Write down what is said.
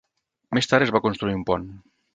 Més tard es va construir un pont.